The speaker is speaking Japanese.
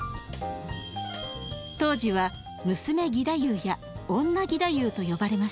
当時は「娘義太夫」や「女義太夫」と呼ばれました。